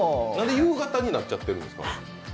何で夕方になっちゃってるんですか？